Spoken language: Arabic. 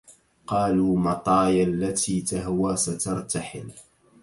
قالوا مطايا التي تهوى سترتحل